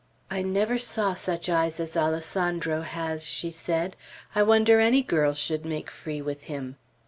"I never saw such eyes as Alessandro has," she said. "I wonder any girl should make free with him.